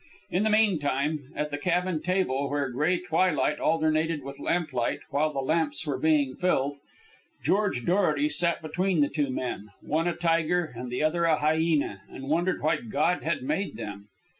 In the meantime, at the cabin table, where gray twilight alternated with lamplight while the lamps were being filled, George Dorety sat between the two men, one a tiger and the other a hyena, and wondered why God had made them.